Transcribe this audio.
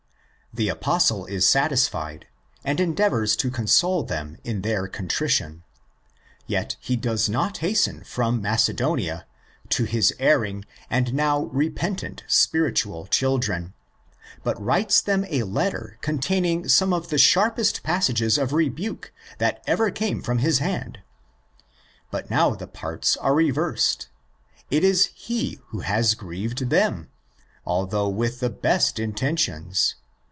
The Apostle is satisfied, and endeavours to console them in their contrition ; yet he does not hasten from Macedonia to his erring and now repentant spiritual children, but writes them a letter containing some of the sharpest passages of rebuke that ever came from his hand. But now the parts are reversed. It is he who has grieved them, although with the best intentions.